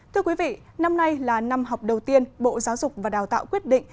thưa quý vị năm nay là năm học đầu tiên bộ giáo dục và đào tạo quyết định